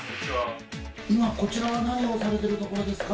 今こちらは何をされてるところですか？